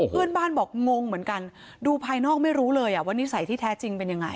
เพื่อนบ้านบอกงงเหมือนกันดูภายนอกไม่รู้เลยว่านิสัยที่แท้จริงเป็นยังไง